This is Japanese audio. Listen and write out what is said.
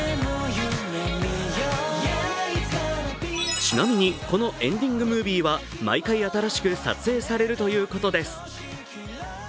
ちなみにこのエンディングムービーは毎回新しく撮影されるということです。